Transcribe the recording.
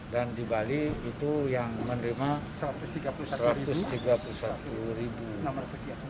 dan di bali itu yang menerima satu ratus tiga puluh satu